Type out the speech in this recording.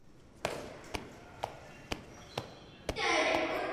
Už jiní přišli po mně.